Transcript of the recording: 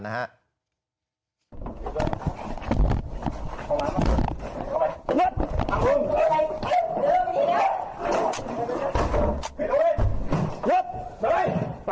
มันเจอ